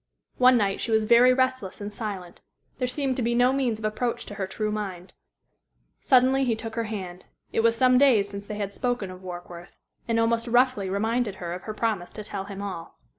One night she was very restless and silent. There seemed to be no means of approach to her true mind. Suddenly he took her hand it was some days since they had spoken of Warkworth and almost roughly reminded her of her promise to tell him all.